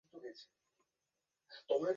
এ রজনীর পরেও তারা পরস্পরে প্রেমালাপে মিলিত হয়।